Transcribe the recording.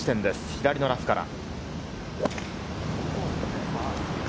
左のラフから。